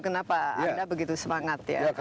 kenapa anda begitu semangat ya